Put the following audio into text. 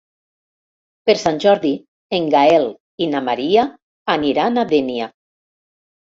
Per Sant Jordi en Gaël i na Maria aniran a Dénia.